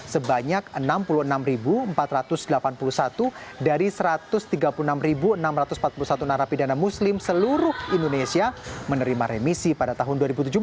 sebanyak enam puluh enam empat ratus delapan puluh satu dari satu ratus tiga puluh enam enam ratus empat puluh satu narapidana muslim seluruh indonesia menerima remisi pada tahun dua ribu tujuh belas